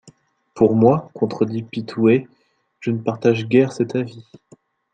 Pour moi, contredit Pitouët, je ne partage guère cet avis.